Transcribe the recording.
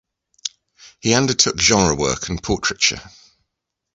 He undertook genre work and portraiture.